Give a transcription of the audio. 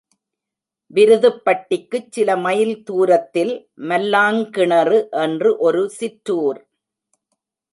விருதுப்பட்டிக்குச் சில மைல் தூரத்தில் மல்லாங்கிணறு என்று ஒரு சிற்றுார்.